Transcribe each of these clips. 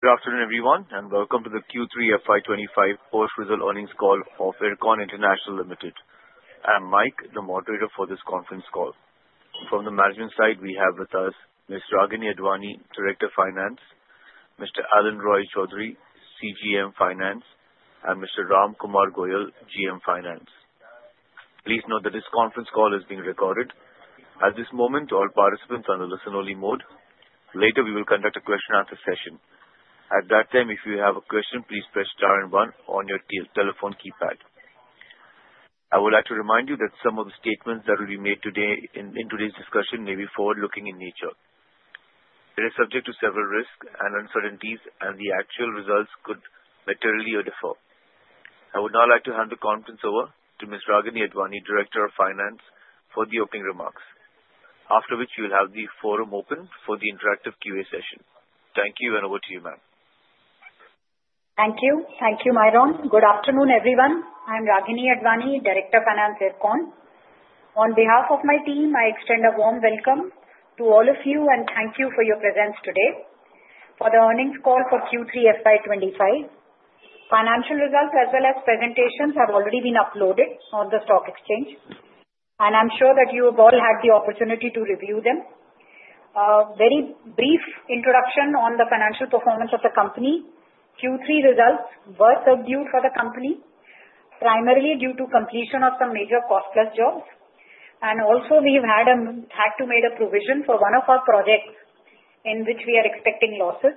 Good afternoon, everyone, and welcome to the Q3 FY 2025 post-result earnings call of Ircon International Limited. I'm Mike, the moderator for this conference call. From the management side, we have with us Ms. Ragini Advani, Director of Finance, Mr. Alin Roy Choudhury, CGM Finance, and Mr. Ram Kumar Goyal, GM Finance. Please note that this conference call is being recorded. At this moment, all participants are on a listen-only mode. Later, we will conduct a question-and-answer session. At that time, if you have a question, please press star and one on your telephone keypad. I would like to remind you that some of the statements that will be made in today's discussion may be forward-looking in nature. It is subject to several risks and uncertainties, and the actual results could materially differ. I would now like to hand the conference over to Ms. Ragini Advani, Director of Finance, for the opening remarks, after which we'll have the forum open for the interactive QA session. Thank you, and over to you, ma'am. Thank you. Thank you, Myron. Good afternoon, everyone. I'm Ragini Advani, Director of Finance at Ircon. On behalf of my team, I extend a warm welcome to all of you and thank you for your presence today for the earnings call for Q3 FY 2025. Financial results, as well as presentations, have already been uploaded on the stock exchange, and I'm sure that you have all had the opportunity to review them. A very brief introduction on the financial performance of the company: Q3 results were subdued for the company, primarily due to completion of some major cost-plus jobs. And also, we had to make a provision for one of our projects in which we are expecting losses.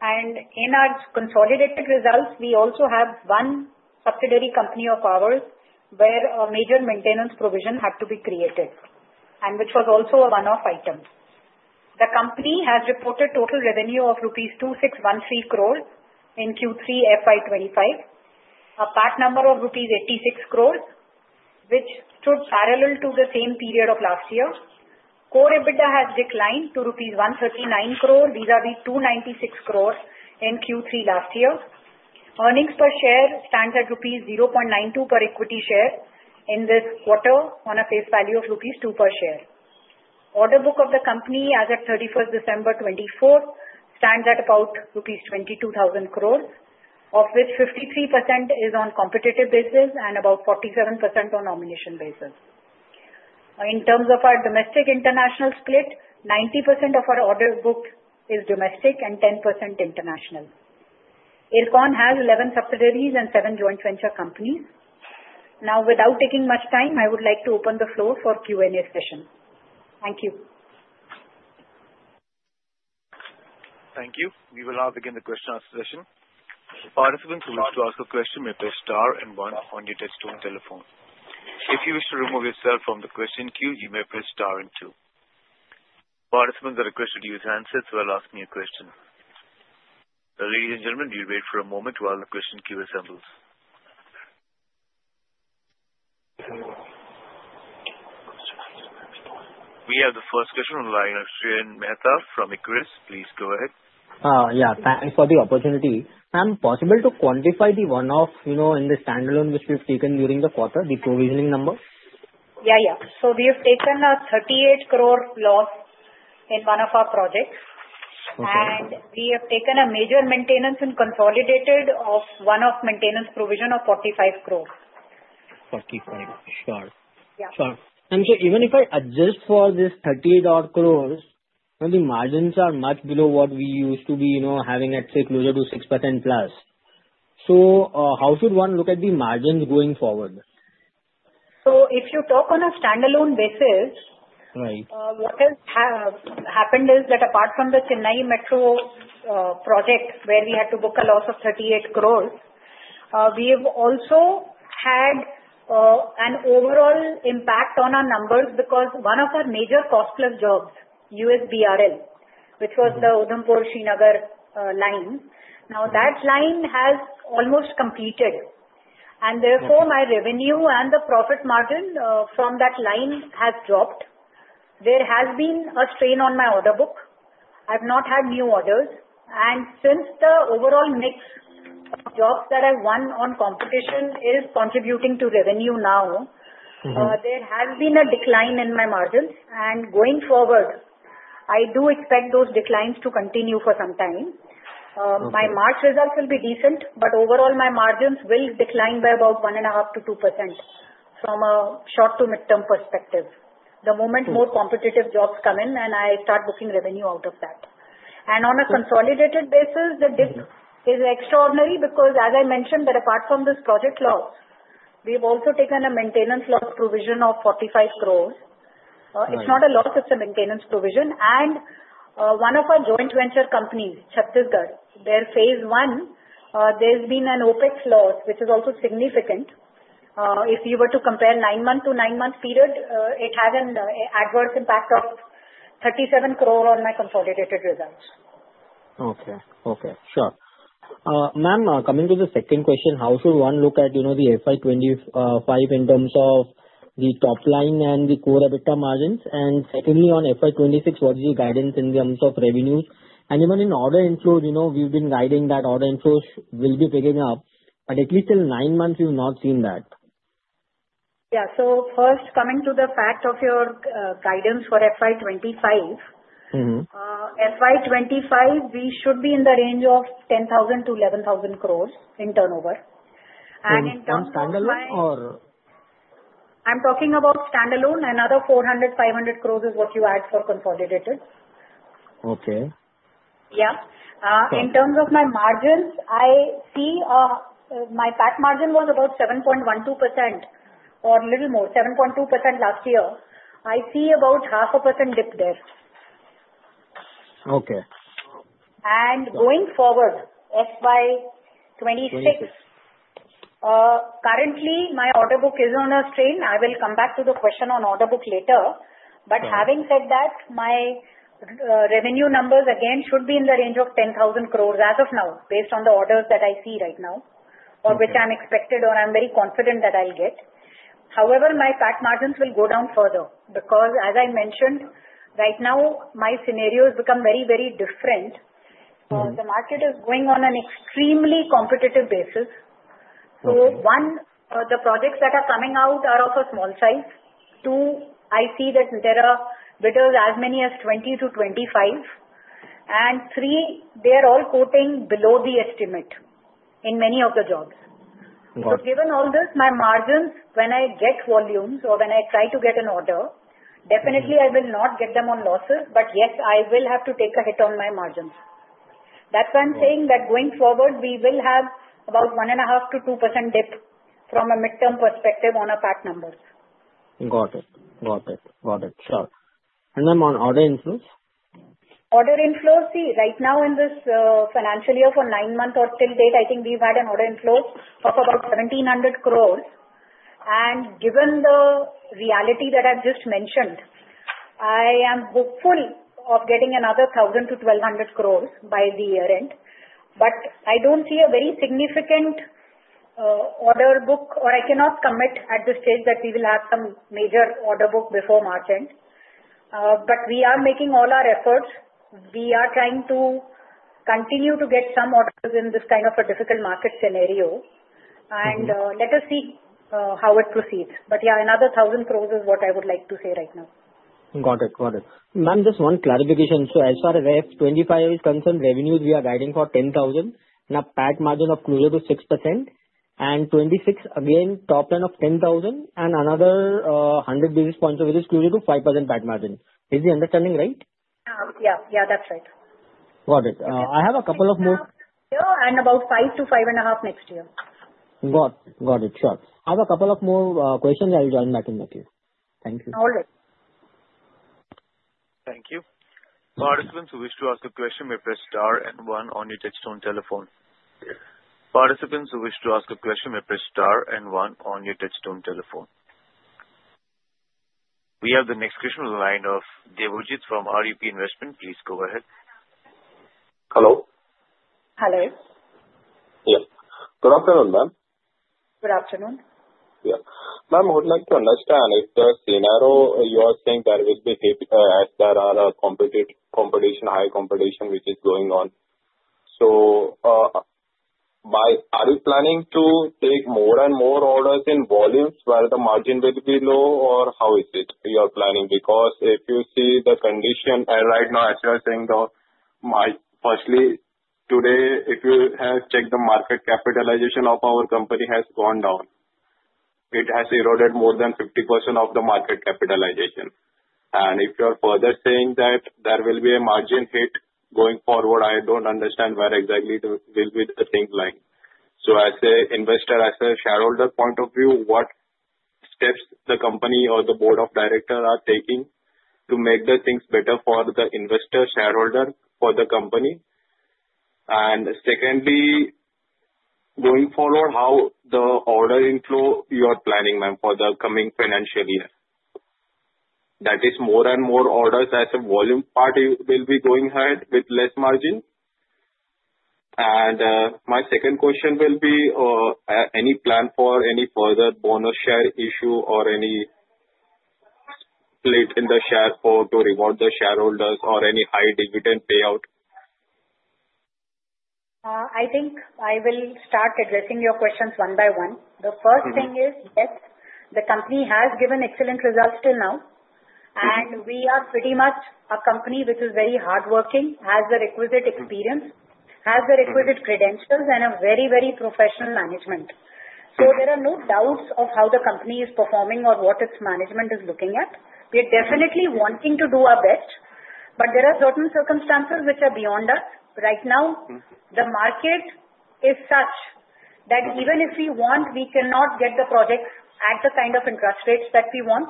And in our consolidated results, we also have one subsidiary company of ours where a major maintenance provision had to be created, which was also a one-off item. The company has reported total revenue of rupees 2,613 crore in Q3 FY 2025, a PAT number of rupees 86 crore, which stood parallel to the same period of last year. Core EBITDA has declined to rupees 139 crore vis-à-vis 296 crore in Q3 last year. Earnings per share stands at rupees 0.92 per equity share in this quarter, on a face value of rupees 2 per share. Order book of the company as of 31st December 2024 stands at about rupees 22,000 crore, of which 53% is on competitive basis and about 47% on nomination basis. In terms of our domestic international split, 90% of our order book is domestic and 10% international. Ircon has 11 subsidiaries and 7 joint venture companies. Now, without taking much time, I would like to open the floor for Q&A session. Thank you. Thank you. We will now begin the question-and-answer session. Participants who wish to ask a question may press star and one on your touch-tone telephone. If you wish to remove yourself from the question queue, you may press star and two. Participants that requested to use handsets will ask me a question. Ladies and gentlemen, please wait for a moment while the question queue assembles. We have the first question from Shreyans Mehta from Equirus Securities. Please go ahead. Yeah. Thanks for the opportunity. Ma'am, possible to quantify the one-off in the standalone which we've taken during the quarter, the provisioning number? Yeah, yeah. So we have taken a 38 crore loss in one of our projects, and we have taken a major maintenance and consolidated of one-off maintenance provision of 45 crore. 45 crore. Yeah. Sure. And so even if I adjust for this 38 crore, the margins are much below what we used to be having, let's say, closer to 6%+. So how should one look at the margins going forward? So if you talk on a standalone basis, what has happened is that apart from the Chennai Metro project where we had to book a loss of 38 crore, we have also had an overall impact on our numbers because one of our major cost-plus jobs, USBRL, which was the Udhampur-Srinagar line, now that line has almost completed. And therefore, my revenue and the profit margin from that line has dropped. There has been a strain on my order book. I've not had new orders. And since the overall mix of jobs that I've won on competition is contributing to revenue now, there has been a decline in my margins. And going forward, I do expect those declines to continue for some time. My March results will be decent, but overall, my margins will decline by about 1.5%-2% from a short to midterm perspective. The moment more competitive jobs come in, I start booking revenue out of that. And on a consolidated basis, the dip is extraordinary because, as I mentioned, apart from this project loss, we've also taken a maintenance loss provision of 45 crore. It's not a loss. It's a maintenance provision. And one of our joint venture companies, Chhattisgarh, their phase one, there's been an OpEx loss, which is also significant. If you were to compare nine-month to nine-month period, it has an adverse impact of 37 crore on my consolidated results. Okay, okay. Sure. Ma'am, coming to the second question, how should one look at the FY 2025 in terms of the top line and the Core EBITDA margins? And secondly, on FY 2026, PATwhat is your guidance in terms of revenues? And even in order inflow, we've been guiding that order inflows will be picking up, but at least till nine months, we've not seen that. Yeah. So first, coming to the fact of your guidance for FY 2025, FY 2025, we should be in the range of 10,000 crore-11,000 crore in turnover. And on standalone or? I'm talking about standalone, another 400-500 crore is what you add for consolidated. Okay. Yeah. In terms of my margins, I see my PAT margin was about 7.12% or a little more, 7.2% last year. I see about 0.5% dip there. Okay. Going forward, FY 2026, currently, my order book is on a strain. I will come back to the question on order book later. Having said that, my revenue numbers again should be in the range of 10,000 crore as of now, based on the orders that I see right now, or which I'm expected or I'm very confident that I'll get. However, my PAT margins will go down further because, as I mentioned, right now, my scenarios become very, very different. The market is going on an extremely competitive basis. One, the projects that are coming out are of a small size. Two, I see that there are bidders as many as 20-25. Three, they are all quoting below the estimate in many of the jobs. So given all this, my margins, when I get volumes or when I try to get an order, definitely, I will not get them on losses, but yes, I will have to take a hit on my margins. That's why I'm saying that going forward, we will have about 1.5%-2% dip from a midterm perspective on our PAT numbers. Got it. Sure. And then on order inflows? Order inflows, see, right now, in this financial year for nine months or till date, I think we've had an order inflow of about 1,700 crore, and given the reality that I've just mentioned, I am hopeful of getting another 1,000 crores-1,200 crores by the year end, but I don't see a very significant order book, or I cannot commit at this stage that we will have some major order book before March end, but we are making all our efforts. We are trying to continue to get some orders in this kind of a difficult market scenario, and let us see how it proceeds, but yeah, another 1,000 crore is what I would like to say right now. Got it. Got it. Ma'am, just one clarification. So as far as FY 2025 is concerned, revenues we are guiding for 10,000. Now, PAT margin of closer to 6%. And 26, again, top line of 10,000 and another 100, which is closer to 5% PAT margin. Is the understanding right? Yeah. Yeah, that's right. Got it. I have a couple of more. Yeah. And about five to five and a half next year. Got it. Got it. Sure. I have a couple of more questions. I'll join back in a few. Thank you. All right. Thank you. Participants who wish to ask a question may press star and one on your touch-tone telephone. We have the next question from the line of Devojit from REP Investment. Please go ahead. Hello? Hello. Yes. Good afternoon, ma'am. Good afternoon. Yeah. Ma'am, I would like to understand. If the scenario you are saying that as there are competition, high competition, which is going on, so are you planning to take more and more orders in volumes while the margin will be low, or how is it you are planning? Because if you see the condition right now, as you are saying, firstly, today, if you check the market capitalization of our company has gone down. It has eroded more than 50% of the market capitalization. And if you are further saying that there will be a margin hit going forward, I don't understand where exactly will be the things lying. So as an investor, as a shareholder point of view, what steps the company or the board of directors are taking to make the things better for the investor shareholder for the company? And secondly, going forward, how the order inflow you are planning, ma'am, for the coming financial year? That is more and more orders as a volume part will be going ahead with less margin. And my second question will be, any plan for any further bonus share issue or any split in the share to reward the shareholders or any high dividend payout? I think I will start addressing your questions one by one. The first thing is, yes, the company has given excellent results till now. And we are pretty much a company which is very hardworking, has the requisite experience, has the requisite credentials, and a very, very professional management. So there are no doubts of how the company is performing or what its management is looking at. We are definitely wanting to do our best, but there are certain circumstances which are beyond us. Right now, the market is such that even if we want, we cannot get the projects at the kind of interest rates that we want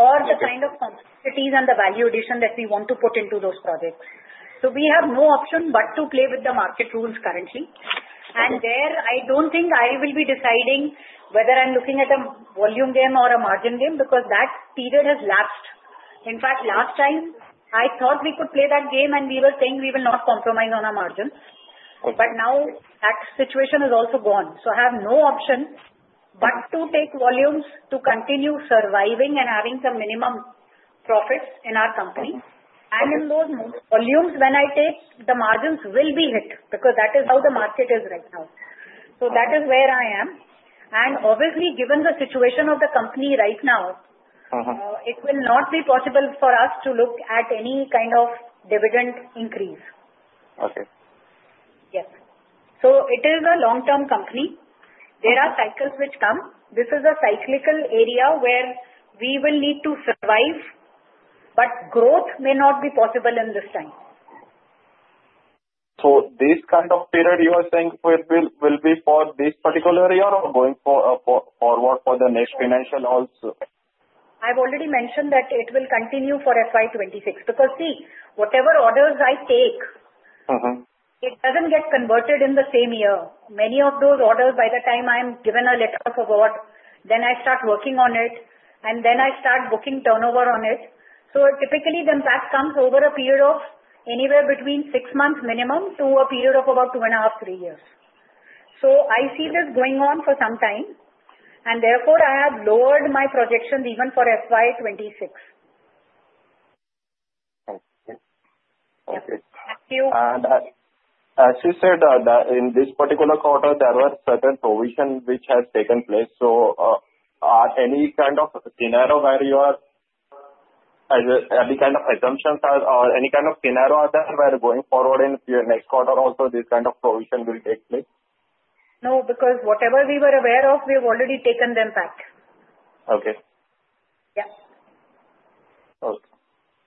or the kind of complexities and the value addition that we want to put into those projects. So we have no option but to play with the market rules currently. And there, I don't think I will be deciding whether I'm looking at a volume game or a margin game because that period has lapsed. In fact, last time, I thought we could play that game, and we were saying we will not compromise on our margins. But now, that situation is also gone. So I have no option but to take volumes to continue surviving and having some minimum profits in our company. And in those volumes, when I take, the margins will be hit because that is how the market is right now. So that is where I am. And obviously, given the situation of the company right now, it will not be possible for us to look at any kind of dividend increase. Okay. Yes. So it is a long-term company. There are cycles which come. This is a cyclical area where we will need to survive, but growth may not be possible in this time. So this kind of period you are saying will be for this particular year or going forward for the next financial also? I've already mentioned that it will continue for FY 2026. Because see, whatever orders I take, it doesn't get converted in the same year. Many of those orders, by the time I'm given a letter of award, then I start working on it, and then I start booking turnover on it. So typically, the impact comes over a period of anywhere between six months minimum to a period of about two and a half, three years. So I see this going on for some time, and therefore, I have lowered my projections even for FY 2026. Okay. Okay. Thank you. As you said, in this particular quarter, there were certain provisions which have taken place. Any kind of scenario where you have any kind of assumptions or any kind of scenario out there where going forward in your next quarter, also this kind of provision will take place? No, because whatever we were aware of, we have already taken them back. Okay. Yeah. Okay.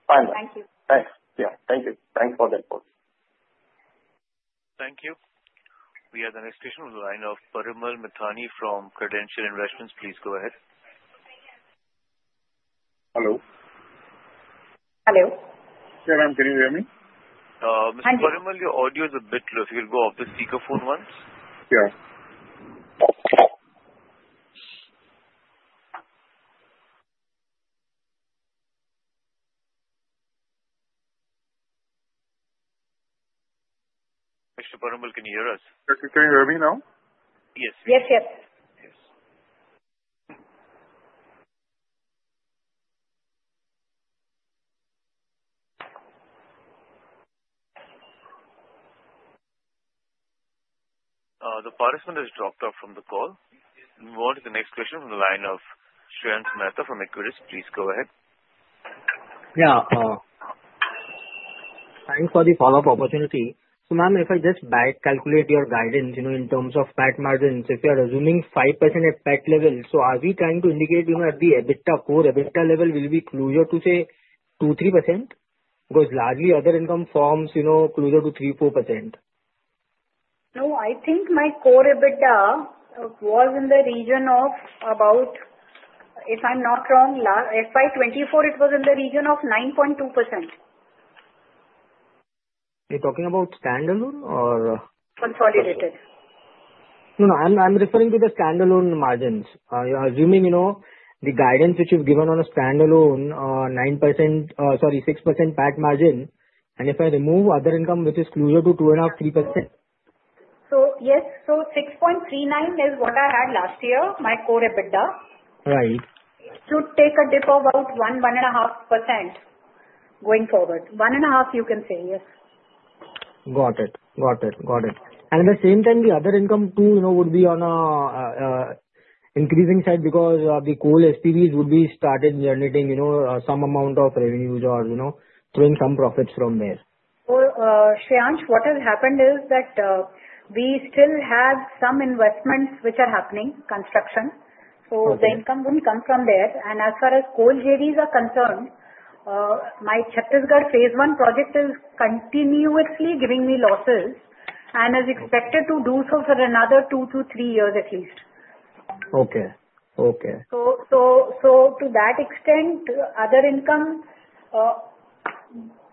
Fine. Thank you. Thanks. Yeah. Thank you. Thanks for the input. Thank you. We have the next question from the line of Parimal Mithani from Credential Investments. Please go ahead. Hello. Hello. Yeah, ma'am. Can you hear me? Mr. Parimal, your audio is a bit loud. If you could go off the speakerphone once. Yeah. Mr. Parimal, can you hear us? Can you hear me now? Yes. Yes, yes. Yes. The participant has dropped off from the call. We want the next question from the line of Shreyans Mehta from Equirus. Please go ahead. Yeah. Thanks for the follow-up opportunity. So ma'am, if I just back calculate your guidance in terms of PAT margins, if you are assuming 5% at PAT level, so are we trying to indicate at the EBITDA core EBITDA level will be closer to, say, 2%, 3%? Because largely other income forms closer to 3%, 4%. No, I think my Core EBITDA was in the region of about, if I'm not wrong, FY 2024, it was in the region of 9.2%. You're talking about standalone or? Consolidated. No, no. I'm referring to the standalone margins. Assuming the guidance which you've given on a standalone 9%, sorry, 6% PAT margin, and if I remove other income, which is closer to 2.5%, 3%. Yes. So 6.39 is what I had last year, my Core EBITDA. Right. It should take a dip of about 1%, 1.5% going forward. 1.5%, you can say, yes. Got it. Got it. Got it. And at the same time, the other income too would be on an increasing side because the core SPVs would be started generating some amount of revenues or throwing some profits from there. Shreyans, what has happened is that we still have some investments which are happening, construction. So the income wouldn't come from there. And as far as coal JVs are concerned, my Chhattisgarh phase one project is continuously giving me losses and is expected to do so for another two to three years at least. Okay. Okay. To that extent, other income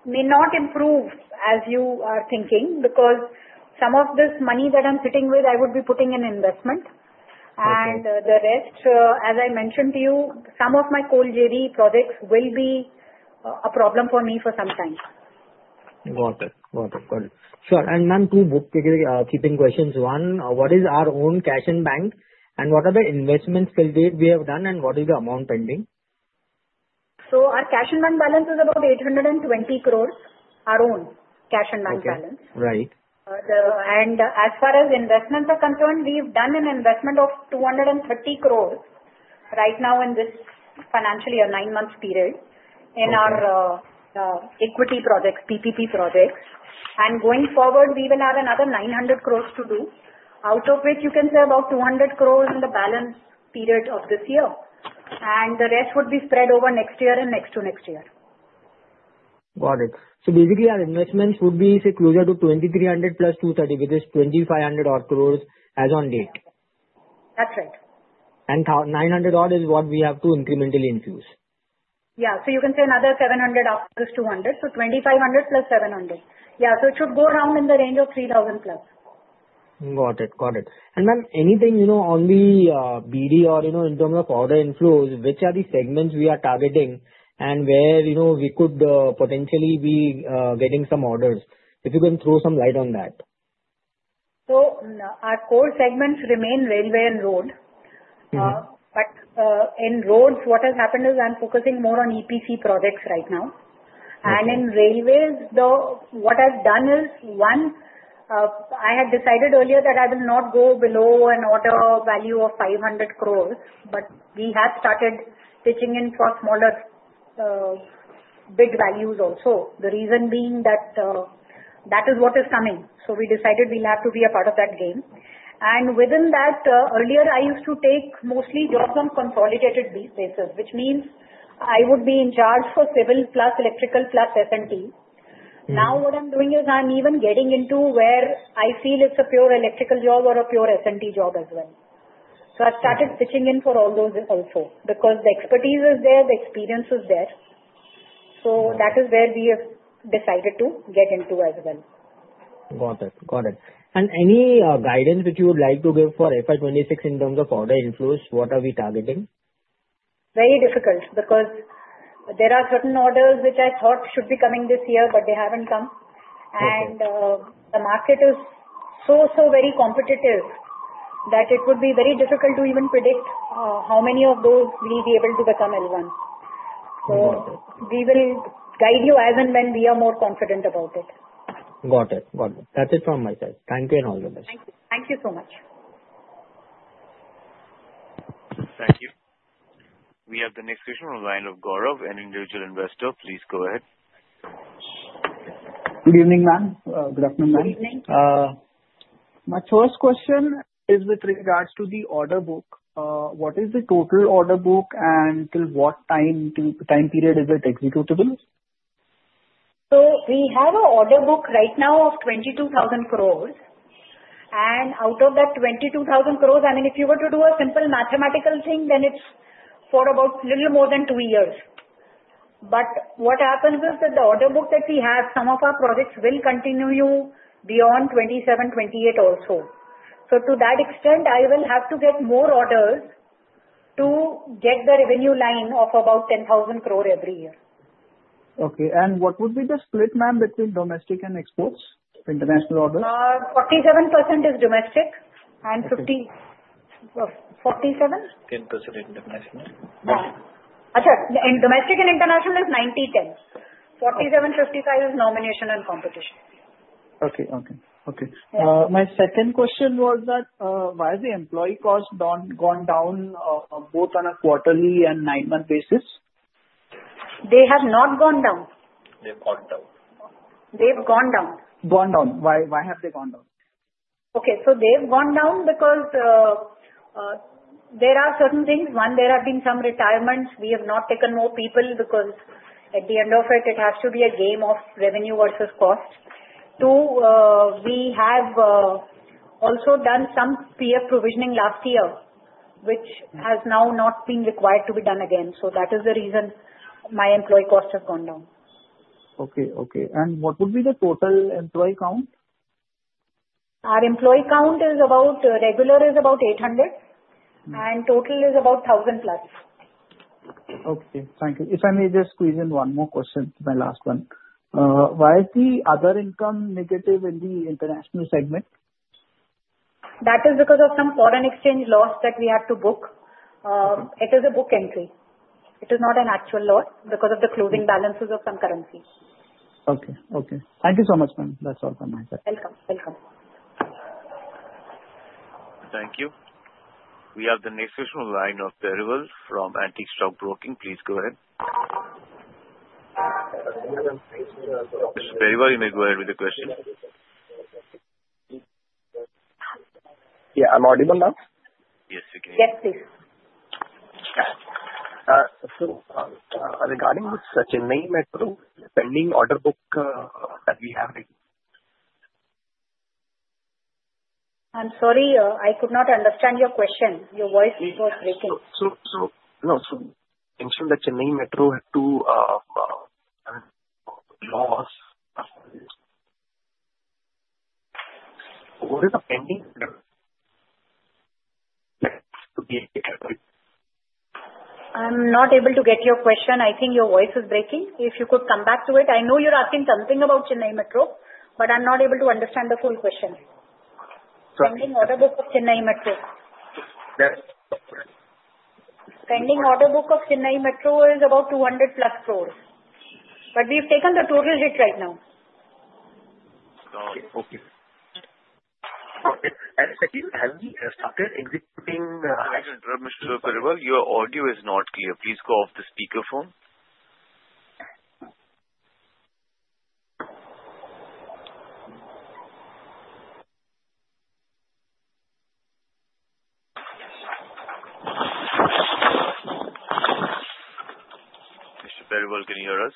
may not improve as you are thinking because some of this money that I'm sitting with, I would be putting in investment. The rest, as I mentioned to you, some of my coal JV projects will be a problem for me for some time. Got it. Got it. Got it. Sure. And ma'am, two bookkeeping questions. One, what is our own cash and bank, and what are the investments till date we have done, and what is the amount pending? Our cash and bank balance is about 820 crore, our own cash and bank balance. Okay. Right. As far as investments are concerned, we've done an investment of 230 crore right now in this financial year nine months period in our equity projects, PPP projects. Going forward, we will have another 900 crore to do, out of which you can say about 200 crore in the balance period of this year. The rest would be spread over next year and next to next year. Got it. So basically, our investments would be closer to INR 2,300+INR 230, which is 2,500 crore as on date. That's right. 900 odd is what we have to incrementally infuse. Yeah. So you can say another 700 after this 200. So 2500+ 700. Yeah. So it should go around in the range of 3000+. Got it. Got it. And ma'am, anything on the BD or in terms of order inflows, which are the segments we are targeting and where we could potentially be getting some orders? If you can throw some light on that. So our core segments remain railway and road. But in roads, what has happened is I'm focusing more on EPC projects right now. And in railways, what I've done is, one, I had decided earlier that I will not go below an order value of 500 crore, but we have started pitching in for smaller bid values also. The reason being that that is what is coming. So we decided we'll have to be a part of that game. And within that, earlier, I used to take mostly jobs on consolidated basis, which means I would be in charge for civil plus electrical plus S&T. Now what I'm doing is I'm even getting into where I feel it's a pure electrical job or a pure S&T job as well. So I've started pitching in for all those also because the expertise is there, the experience is there. So that is where we have decided to get into as well. Got it. Got it. And any guidance which you would like to give for FY 2026 in terms of order inflows? What are we targeting? Very difficult because there are certain orders which I thought should be coming this year, but they haven't come, and the market is so, so very competitive that it would be very difficult to even predict how many of those we'll be able to become L1, so we will guide you as and when we are more confident about it. Got it. Got it. That's it from my side. Thank you and all the best. Thank you so much. Thank you. We have the next question from the line of Gaurav, an individual investor. Please go ahead. Good evening, ma'am. Good afternoon, ma'am. Good evening. My first question is with regards to the order book. What is the total order book and till what time period is it executable? So we have an order book right now of 22,000 crore. And out of that 22,000 crore, I mean, if you were to do a simple mathematical thing, then it's for about little more than two years. But what happens is that the order book that we have, some of our projects will continue beyond 27, 28 also. So to that extent, I will have to get more orders to get the revenue line of about 10,000 crore every year. Okay. And what would be the split, ma'am, between domestic and exports, international orders? 47% is domestic and 50%. 10% international. Yeah. And domestic and international is 90-10. 47-55 is nomination and competition. Okay. My second question was that, why has the employee cost gone down both on a quarterly and nine-month basis? They have not gone down. They've gone down. They've gone down. Gone down. Why have they gone down? Okay. So they've gone down because there are certain things. One, there have been some retirements. We have not taken more people because at the end of it, it has to be a game of revenue versus cost. Two, we have also done some PF provisioning last year, which has now not been required to be done again. So that is the reason my employee cost has gone down. Okay. Okay. And what would be the total employee count? Our employee count is about regular 800, and total is about 1,000+. Okay. Thank you. If I may just squeeze in one more question, my last one. Why is the other income negative in the international segment? That is because of some foreign exchange loss that we have to book. It is a book entry. It is not an actual loss because of the closing balances of some currency. Okay. Okay. Thank you so much, ma'am. That's all from my side. Welcome. Welcome. Thank you. We have the next question from the line of Periwal from Antique Stock Broking. Please go ahead. Periwal, you may go ahead with the question. Yeah. I'm audible now? Yes, we can. Yes, please. Regarding the Chennai Metro pending order book that we have right now. I'm sorry. I could not understand your question. Your voice was breaking. So mentioned that Chennai Metro had two losses. What is the pending? I'm not able to get your question. I think your voice is breaking. If you could come back to it. I know you're asking something about Chennai Metro, but I'm not able to understand the full question. Pending order book of Chennai Metro. That's correct. Pending order book of Chennai Metro is about 200+ crore. But we've taken the total hit right now. Okay. Okay. And second, have we started executing? Periwal, your audio is not clear. Please go off the speakerphone. Mr. Periwal, can you hear us?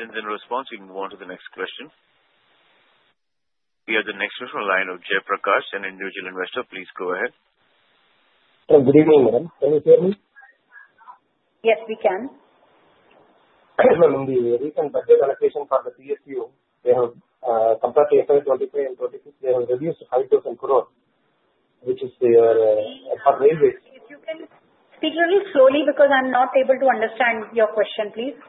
In response, we move on to the next question. We have the next question from the line of Jai Prakash, an individual investor. Please go ahead. Good evening, ma'am. Can you hear me? Yes, we can. In the recent budget allocation for the PSU, compared to FY 2025 and FY 2026, they have reduced 5,000 crores, which is their railways. If you can speak a little slowly because I'm not able to understand your question, please.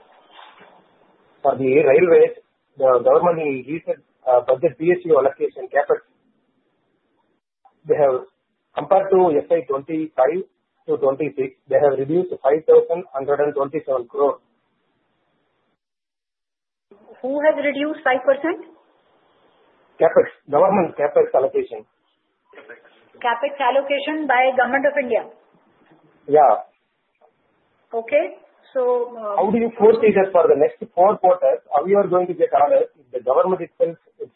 For the railways, the government increased the budget for allocation CapEx. Compared to FY 2025 to 2026, they have reduced 5% of 127 crores. Who has reduced 5%? CapEx. Government CapEx allocation. CapEx allocation by Government of India? Yeah. Okay. So. How do you foresee that for the next four quarters, how you are going to get on it if the government itself is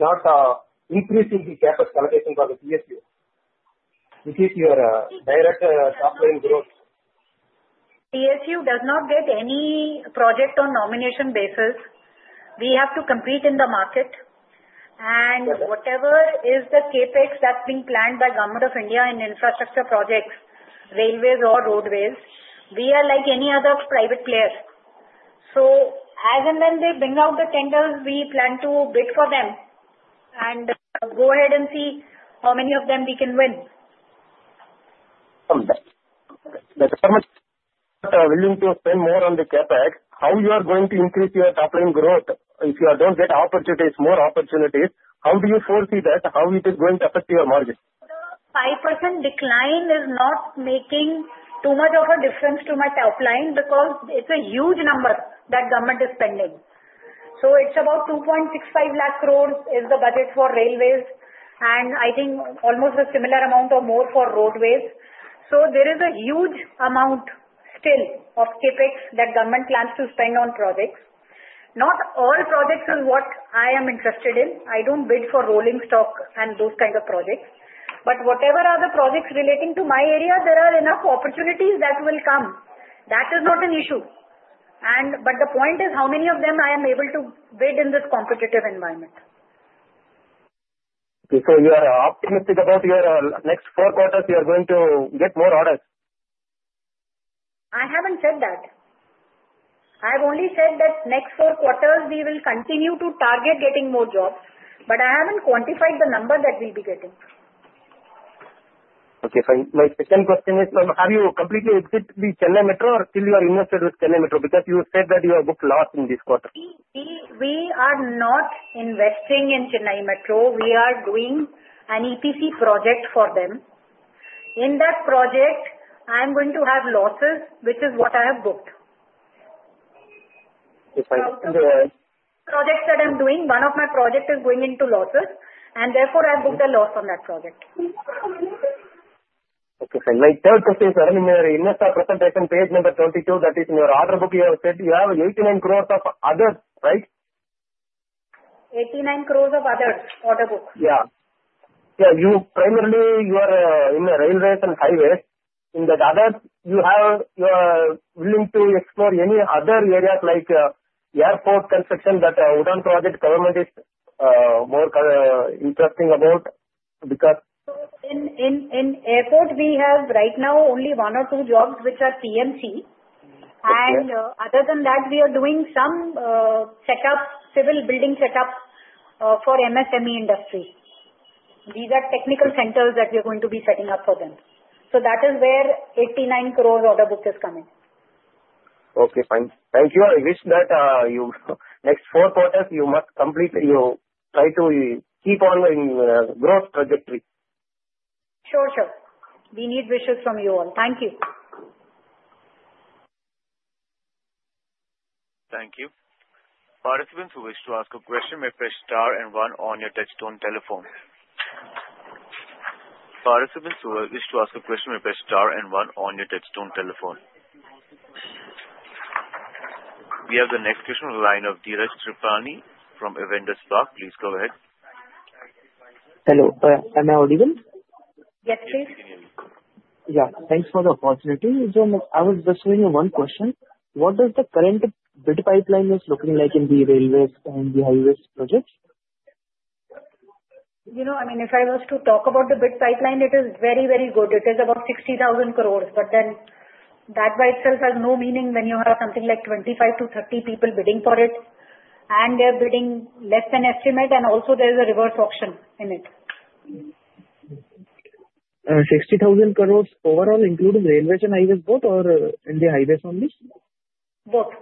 not increasing the CapEx allocation for the PSU? Which is your direct top-line growth. Ircon does not get any project on nomination basis. We have to compete in the market, and whatever is the CapEx that's being planned by Government of India in infrastructure projects, railways or roadways, we are like any other private player, so as and when they bring out the tenders, we plan to bid for them and go ahead and see how many of them we can win. That's so much, but willing to spend more on the CapEx, how you are going to increase your top-line growth if you don't get more opportunities? How do you foresee that? How is it going to affect your margin? The 5% decline is not making too much of a difference to my top line because it's a huge number that government is spending, so it's about 2.65 lakh crore is the budget for railways. I think almost a similar amount or more for roadways. There is a huge amount still of CapEx that government plans to spend on projects. Not all projects is what I am interested in. I don't bid for rolling stock and those kinds of projects. Whatever are the projects relating to my area, there are enough opportunities that will come. That is not an issue. The point is how many of them I am able to bid in this competitive environment. Okay. So you are optimistic about your next four quarters you are going to get more orders? I haven't said that. I have only said that next four quarters we will continue to target getting more jobs. But I haven't quantified the number that we'll be getting. Okay. My second question is, have you completely exited the Chennai Metro or are you still invested with Chennai Metro because you said that you booked a loss in this quarter? We are not investing in Chennai Metro. We are doing an EPC project for them. In that project, I am going to have losses, which is what I have booked. If I understand. Projects that I'm doing, one of my projects is going into losses, and therefore, I have booked a loss on that project. Okay. My third question is, I mean, in your investor presentation, page number 22, that is in your order book, you have said you have 89 crores of others, right? 89 crores of others, order book. Primarily, you are in railways and highways. In that others, you are willing to explore any other areas like airport construction, but UDAN project, government is more interesting about because. So in airport, we have right now only one or two jobs, which are PMC. And other than that, we are doing some setups, civil building setups for MSME industry. These are technical centers that we are going to be setting up for them. So that is where 89 crores order book is coming. Okay. Thank you. I wish that next four quarters, you must completely try to keep on the growth trajectory. Sure. Sure. We need wishes from you all. Thank you. Thank you. Participants who wish to ask a question may press star and one on your touch-tone telephone. We have the next question from the line of Dheeraj Kripalani from Avendus Spark. Please go ahead. Hello. Am I audible? Yes, please. Yeah. Thanks for the opportunity. I was just doing one question. What does the current bid pipeline look like in the railways and the highways projects? I mean, if I was to talk about the bid pipeline, it is very, very good. It is about 60,000 crores. But then that by itself has no meaning when you have something like 25 to 30 people bidding for it. And they are bidding less than estimate. And also, there is a reverse auction in it. 60,000 crores overall, including railways and highways, both or in the highways only? Both.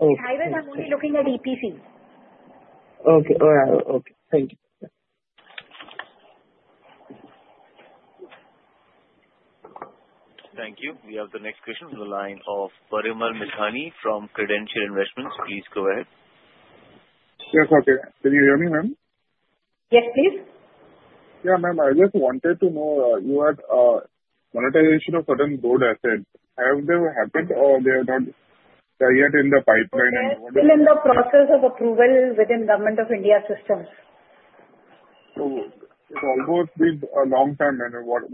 In highways, I'm only looking at EPC. Okay. Okay. Thank you. Thank you. We have the next question from the line of Parimal Mithani from Credential Investments. Please go ahead. Yes. Okay. Can you hear me, ma'am? Yes, please. Yeah, ma'am. I just wanted to know, you had monetization of certain board assets. Have they happened or they are not yet in the pipeline? They are still in the process of approval within Government of India systems. So it's almost been a long time. What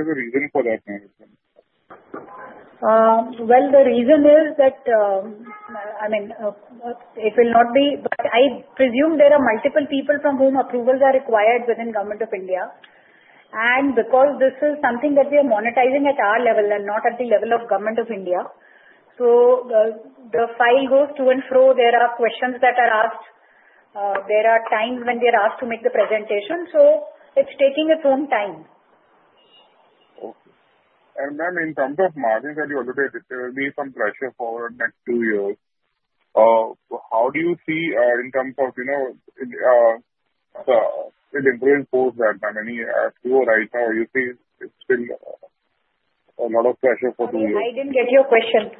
is the reason for that, ma'am? The reason is that, I mean, it will not be, but I presume there are multiple people from whom approvals are required within Government of India, and because this is something that we are monetizing at our level and not at the level of Government of India, so the file goes to and fro. There are questions that are asked. There are times when they are asked to make the presentation, so it's taking its own time. Okay. And ma'am, in terms of margins that you allocated, there will be some pressure for the next two years. How do you see in terms of the employee post that, I mean, as you are right now, you see it's still a lot of pressure for two years? I didn't get your question.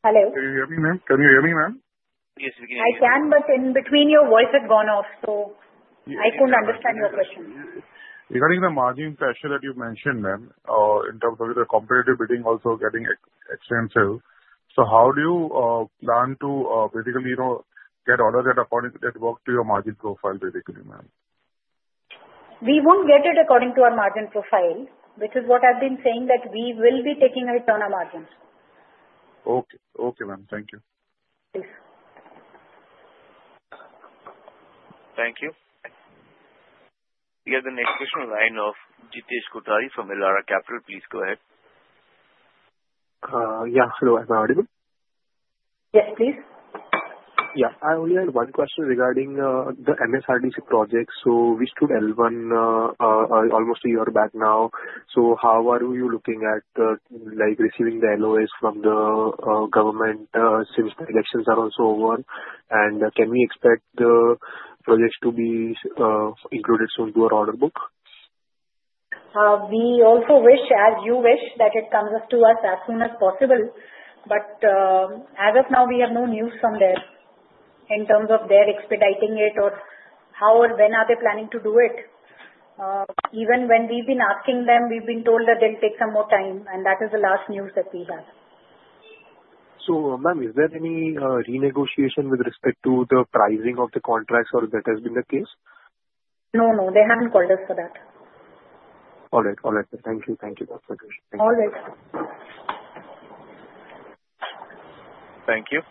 Hello? Can you hear me, ma'am? Yes, we can. I can, but in between, your voice has gone off. So I couldn't understand your question. Regarding the margin pressure that you mentioned, ma'am, in terms of the competitive bidding also getting extensive, so how do you plan to basically get orders that work to your margin profile, basically, ma'am? We won't get it according to our margin profile, which is what I've been saying, that we will be taking a return on margins. Okay. Okay, ma'am. Thank you. Please. Thank you. We have the next question from the line of Jitesh Kothari from Elara Capital. Please go ahead. Yeah. Hello. Am I audible? Yes, please. Yeah. I only had one question regarding the MSRDC project. So we stood L1 almost a year back now. So how are you looking at receiving the LOAs from the government since the elections are also over? And can we expect the projects to be included soon to our order book? We also wish, as you wish, that it comes up to us as soon as possible. But as of now, we have no news from them in terms of their expediting it or how or when are they planning to do it. Even when we've been asking them, we've been told that they'll take some more time. And that is the last news that we have. Ma'am, is there any renegotiation with respect to the pricing of the contracts or that has been the case? No, no. They haven't called us for that. All right. All right. Thank you. Thank you. That's my question. Thank you. All right. Thank you.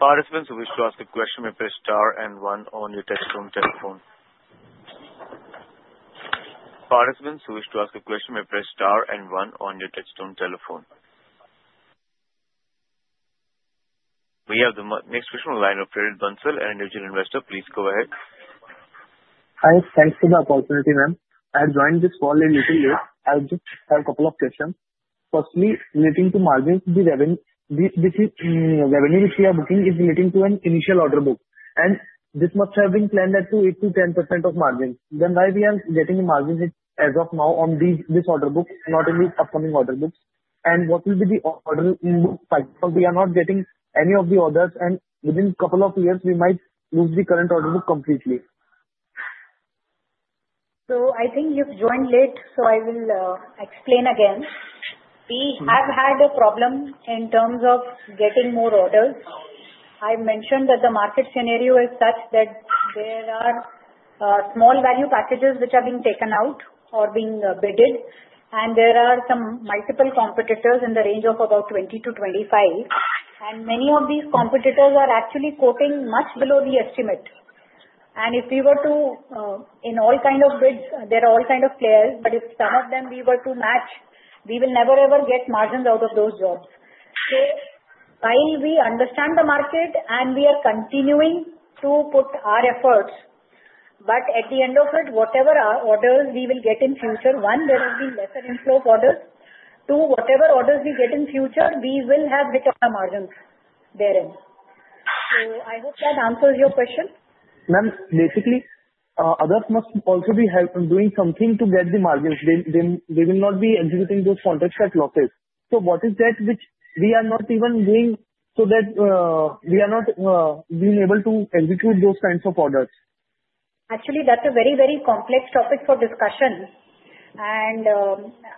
Participants who wish to ask a question may press star and one on your touch-tone telephone. We have the next question from the line of Prerit Bansal, an individual investor. Please go ahead. Hi. Thanks for the opportunity, ma'am. I joined this call a little late. I just have a couple of questions. Firstly, relating to margins, the revenue which we are booking is relating to an initial order book, and this must have been planned at 8%-10% of margins, then why we are getting a margin as of now on this order book, not in the upcoming order books, and what will be the order book pipeline? We are not getting any of the orders, and within a couple of years, we might lose the current order book completely. So I think you've joined late. So I will explain again. We have had a problem in terms of getting more orders. I mentioned that the market scenario is such that there are small value packages which are being taken out or being bidded. And there are some multiple competitors in the range of about 20-25. And many of these competitors are actually quoting much below the estimate. And if we were to, in all kinds of bids, there are all kinds of players. But if some of them we were to match, we will never, ever get margins out of those jobs. So while we understand the market and we are continuing to put our efforts, but at the end of it, whatever orders we will get in future, one, there will be lesser inflow of orders. Two, whatever orders we get in future, we will have return margins therein. So I hope that answers your question. Ma'am, basically, others must also be helping doing something to get the margins. They will not be executing those contracts at losses. So what is that which we are not even doing so that we are not being able to execute those kinds of orders? Actually, that's a very, very complex topic for discussion. And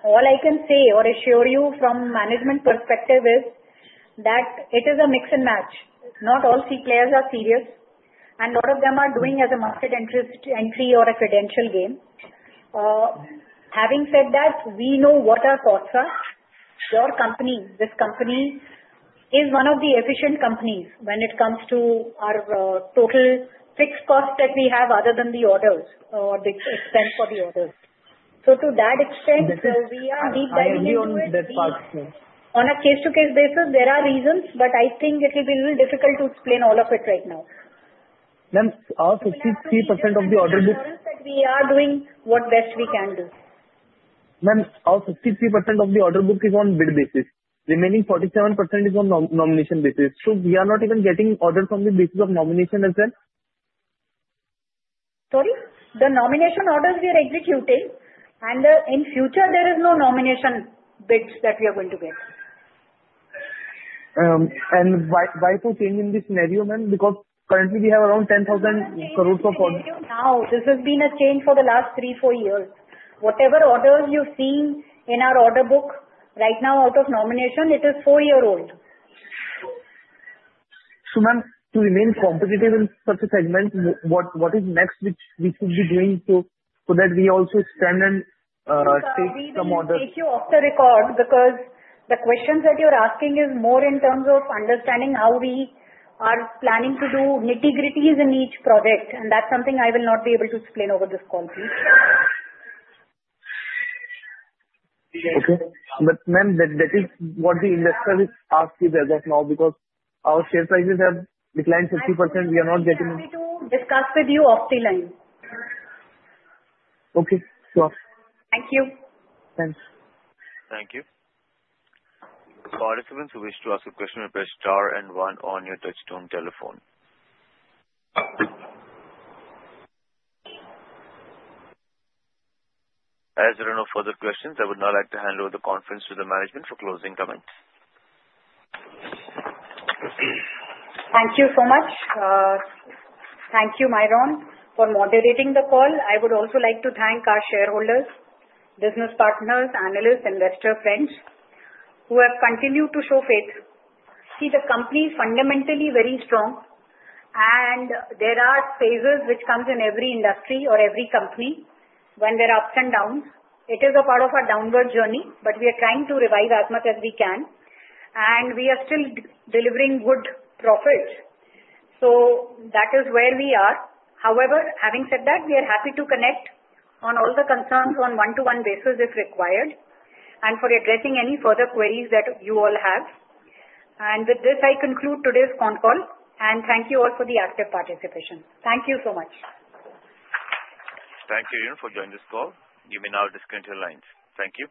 all I can say or assure you from management perspective is that it is a mix and match. Not all C players are serious. And a lot of them are doing as a market entry or a credential game. Having said that, we know what our costs are. Your company, this company, is one of the efficient companies when it comes to our total fixed costs that we have other than the orders or the expense for the orders. So to that extent, we are deep diving into it. On a case-to-case basis, there are reasons, but I think it will be a little difficult to explain all of it right now. Ma'am, our 53% of the order book. It's the only challenge that we are doing what best we can do. Ma'am, our 53% of the order book is on bid basis. Remaining 47% is on nomination basis. So we are not even getting orders on the basis of nomination as well? Sorry? The nomination orders we are executing, and in future, there is no nomination bids that we are going to get. Why to change in this scenario, ma'am? Because currently, we have around 10,000 crores of orders. Now, this has been a change for the last three, four years. Whatever orders you've seen in our order book right now out of nomination, it is four years old. So ma'am, to remain competitive in such a segment, what is next which we should be doing so that we also stand and take some orders? Sorry, we will take you off the record because the questions that you're asking is more in terms of understanding how we are planning to do nitty-gritties in each project. And that's something I will not be able to explain over this call, please. Okay. But ma'am, that is what the investors ask you as of now because our share prices have declined 50%. We are not getting. We will continue to discuss with you off the line. Okay. Sure. Thank you. Thanks. Thank you. Participants who wish to ask a question may press star and one on your touch-tone telephone. As there are no further questions, I would now like to hand over the conference to the management for closing comments. Thank you so much. Thank you, Myron, for moderating the call. I would also like to thank our shareholders, business partners, analysts, investor friends who have continued to show faith. See, the company is fundamentally very strong, and there are phases which come in every industry or every company when there are ups and downs. It is a part of our downward journey, but we are trying to revive as much as we can, and we are still delivering good profits, so that is where we are. However, having said that, we are happy to connect on all the concerns on a one-to-one basis if required and for addressing any further queries that you all have, and with this, I conclude today's phone call, and thank you all for the active participation. Thank you so much. Thank you again for joining this call. You may now disconnect your lines. Thank you.